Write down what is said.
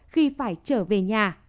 khi phải trở về nhà